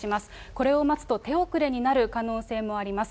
これを待つと手遅れになる可能性もあります。